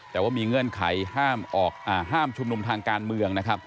แต่ว่ามีเงื่อนไขห้ามชุมนุมทางการเมืองนะครับ